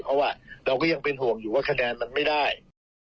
เพราะว่าเราก็ยังเป็นห่วงอยู่ว่าคะแนนมันไม่ได้